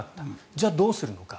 じゃあ、どうするのか。